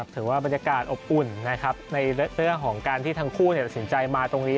ถือว่าบรรยากาศอบอุ่นในเรื่องของการที่ทั้งคู่ตัดสินใจมาตรงนี้